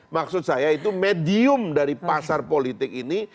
maksud saya itu medium dari pasar politik ini